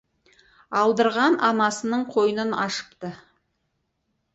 Алдырған анасының қойнын ашыпты.